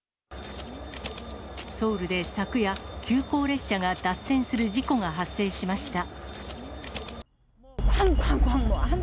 ソウルで昨夜、急行列車が脱線する事故が発生しました。